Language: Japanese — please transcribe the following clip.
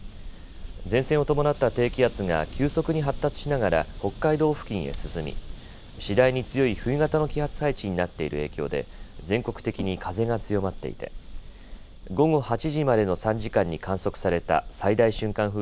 前線を伴った低気圧が急速に発達しながら北海道付近へ進み次第に強い冬型の気圧配置になっている影響で全国的に風が強まっていて午後８時までの３時間に観測された最大瞬間